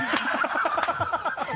ハハハ